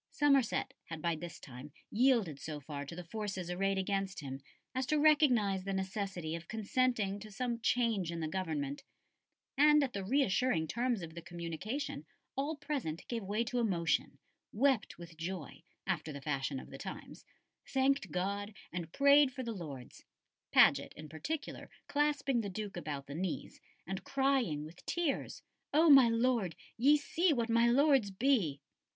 Somerset had by this time yielded so far to the forces arrayed against him as to recognise the necessity of consenting to some change in the government; and at the reassuring terms of the communication all present gave way to emotion; wept with joy, after the fashion of the times; thanked God, and prayed for the Lords; Paget, in particular, clasping the Duke about the knees, and crying with tears, "O my Lord, ye see what my lords be!"